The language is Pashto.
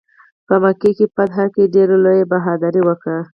په مکې فتح کې ډېره لویه بهادري وکړه.